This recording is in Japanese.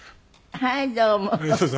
はいどうも。